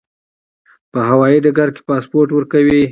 په هوایي ډګر کې پاسپورت ورکوي.